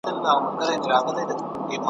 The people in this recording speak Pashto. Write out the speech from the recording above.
په ټپوس کي د باز خویونه نه وي `